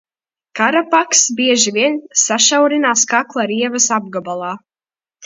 Karapakss bieži vien sašaurinās kakla rievas apgabalā.